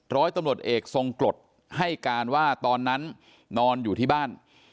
ร้อยตำรวจเอกทรงกรดให้การว่าตอนนั้นนอนอยู่ที่บ้าน